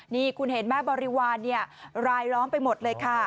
นี่คุณเห็นแม่บริวารรายล้อมไปหมดเลยค่ะ